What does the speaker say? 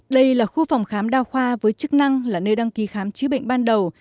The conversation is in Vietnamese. đây là khu phòng khám đa khoa với chức năng là nơi đăng ký khám chữa bệnh ban đầu